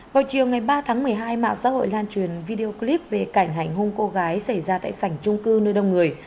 vào chiều ngày ba tháng một mươi hai mạng xã hội lan truyền video clip về cảnh hành hung cô gái xảy ra tại sảnh trung cư nơi đông người